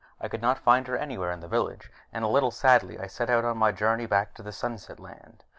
I could not find her anywhere in the village, and a little sadly I set out on my long journey back to the Sunset Land.